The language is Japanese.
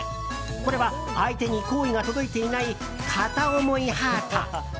これは相手に好意が届いていない片思いハート。